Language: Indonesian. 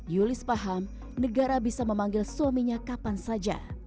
yulis paham negara bisa memanggil suaminya kapan saja